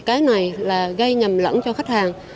cái này gây nhầm lẫn cho khách hàng